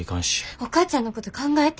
お母ちゃんのこと考えて。